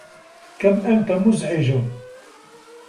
كم أنت مزعج!